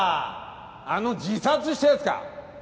あの自殺したやつか。